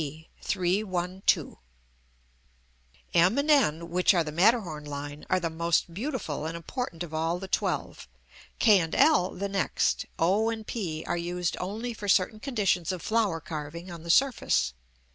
m and n, which are the Matterhorn line, are the most beautiful and important of all the twelve; k and l the next; o and p are used only for certain conditions of flower carving on the surface.